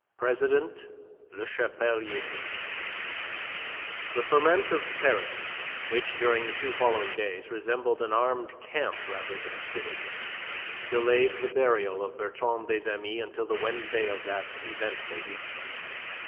PRESIDENT LE CHAPELIER The ferment of Paris which, during the two following days, resembled an armed camp rather than a city, delayed the burial of Bertrand des Amis until the Wednesday of that eventful week.